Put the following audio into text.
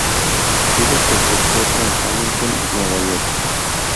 Vive con su esposa en Hamilton, Nueva York.